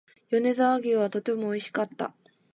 米沢牛はとても美味しかった